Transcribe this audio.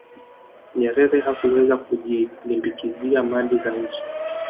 nyerere hakuweza kujilimbikizia mali za nchi